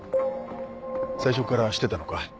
最初から知ってたのか？